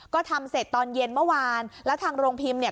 ก็ทำเสร็จตอนเย็นเมื่อวานแล้วทางโรงพิมพ์เนี่ย